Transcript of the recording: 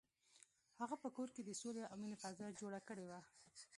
هغه په کور کې د سولې او مینې فضا جوړه کړې وه.